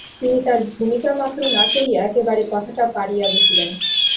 তিনি আর ভূমিকামাত্র না করিয়া একেবারে কথাটা পাড়িয়া বসিলেন।